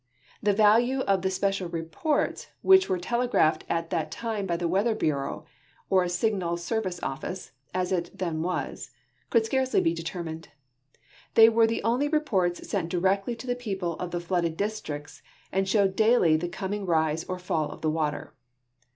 The value of the special reports wliich were telegraj^hed at that time b_y the Weather Bureau (or Signal Service Office, as it then was) could scarce! 3' he determined. The\" were the onl\" reports sent directly to the i>eople of the flooded districts, and showed daily the com ing rise or fall of the water.